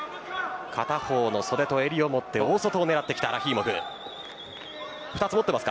片方の袖と襟を持って大外を狙ったラヒーモフです。